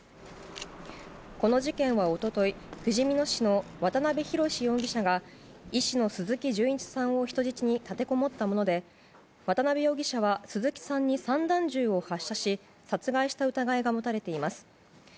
この事件は、一昨日ふじみ野市の渡辺宏容疑者が医師の鈴木純一さんを人質に立てこもったもので渡辺容疑者は鈴木さんに散弾銃を発射し殺害した疑いが持たれています。